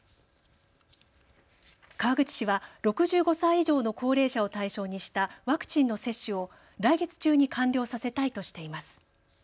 川口市は６５歳以上の高齢者を対象にしたワクチンの接種を来月中に完了させたいとしています。